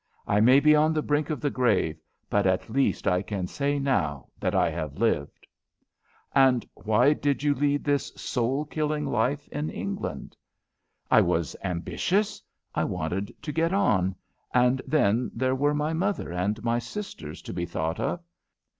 I may be on the brink of the grave, but at least I can say now that I have lived." "And why did you lead this soul killing life in England?" "I was ambitious I wanted to get on. And then there were my mother and my sisters to be thought of.